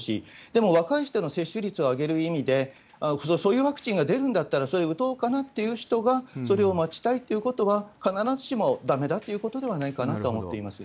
でも若い人の接種率を上げる意味で、そういうワクチンが出るんだったら、それを打とうかなという人がそれを待ちたいということは、必ずしもだめだということではないかなと思っています。